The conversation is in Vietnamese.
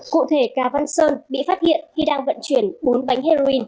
cụ thể cà văn sơn bị phát hiện khi đang vận chuyển bốn bánh heroin